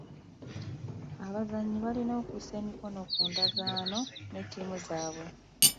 Abazannyi balina okussa emikono ku ndagaano ne ttiimu zaabwe.